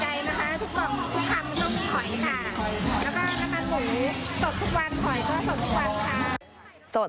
แล้วก็น้ำมะหมูหอยสดทุกวันค่ะ